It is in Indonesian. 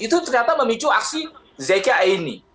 itu ternyata memicu aksi zeka aini